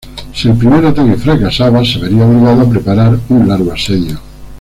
Si el primer ataque fracasaba, se vería obligado a preparar un largo asedio.